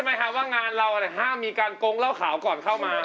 ไม่น่าเหมือน